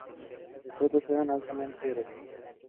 Las esculturas eran altamente erosionadas.